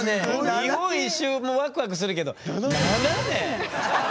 日本一周もワクワクするけど７年！